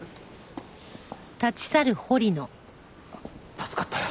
助かったよ。